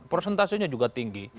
presentasinya juga tinggi